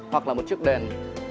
hoặc là một chiếc đèn